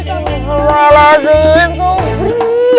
aku salah sih sobri